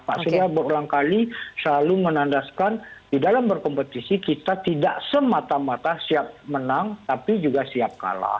pak surya berulang kali selalu menandaskan di dalam berkompetisi kita tidak semata mata siap menang tapi juga siap kalah